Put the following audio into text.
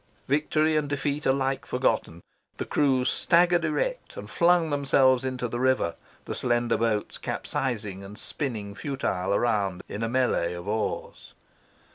Victory and defeat alike forgotten, the crews staggered erect and flung themselves into the river, the slender boats capsizing and spinning futile around in a melley of oars.